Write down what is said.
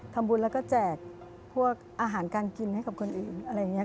ทำบุญแล้วก็แจกพวกอาหารการกินให้กับคนอื่นอะไรอย่างนี้